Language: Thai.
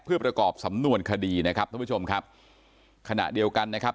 เพื่อประกอบสำนวนคดีนะครับท่านผู้ชมครับขณะเดียวกันนะครับ